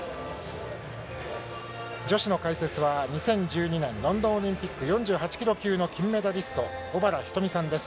女子の解説は、２０１２年ロンドンオリンピック４８キロ級の金メダリスト、小原日登美さんです。